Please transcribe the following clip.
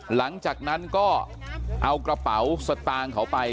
หลังจากนั้นก็เอากระเป๋าสตางค์เขาไป